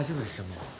もう。